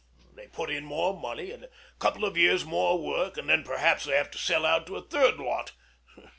They put in more money and a couple of years' more work; and then perhaps they have to sell out to a third lot.